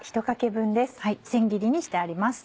せん切りにしてあります。